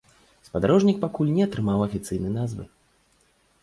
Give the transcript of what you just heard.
Спадарожнік пакуль не атрымаў афіцыйнай назвы.